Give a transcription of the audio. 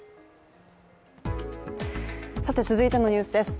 続いてのニュースです。